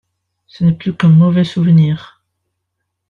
Ce n’est plus qu’un mauvais souvenir.